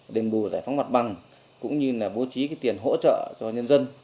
đền bù giải phóng mặt bằng cũng như là bố trí tiền hỗ trợ cho nhân dân